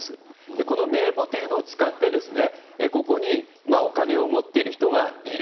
この名簿を使って、ここにお金を持っている人がいる。